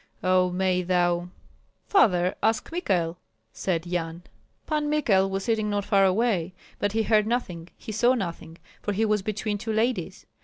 Oh, may thou " "Father, ask Michael," said Yan. Pan Michael was sitting not far away; but he heard nothing, he saw nothing, for he was between two ladies.